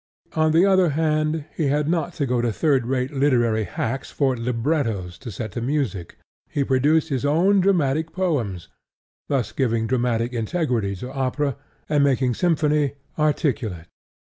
On the other hand, he had not to go to third rate literary hacks for "librettos" to set to music: he produced his own dramatic poems, thus giving dramatic integrity to opera, and making symphony articulate.